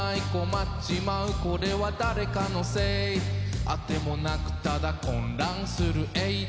「困っちまうこれは誰かのせい」「あてもなくただ混乱するエイデイ」